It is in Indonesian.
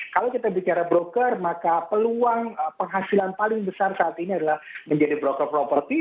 kalau kita bicara broker maka peluang penghasilan paling besar saat ini adalah menjadi broker properti